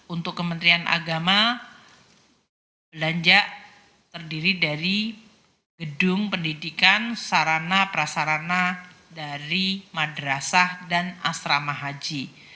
untuk kementerian agama belanja terdiri dari gedung pendidikan sarana prasarana dari madrasah dan asrama haji